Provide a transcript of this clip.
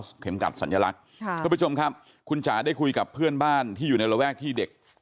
เข็มกัดสัญลักษณ์ค่ะทุกผู้ชมครับคุณจ๋าได้คุยกับเพื่อนบ้านที่อยู่ในระแวกที่เด็ก